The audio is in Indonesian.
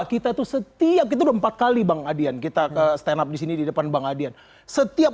kita itu setiap itu empat kali bang adian kita ke stand up disini di depan bang adian setiap